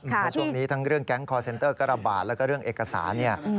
เพราะช่วงนี้ทั้งเรื่องแก๊งคอร์เซ็นเตอร์ก็ระบาดแล้วก็เรื่องเอกสารเนี่ย